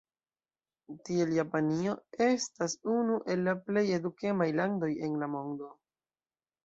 Tiel Japanio estas unu el la plej edukemaj landoj en la mondoj.